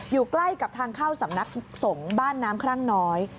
อยู่ใกล้กับทางเข้าสำนักสงฆ์บ้านน้ำครั่งน้อย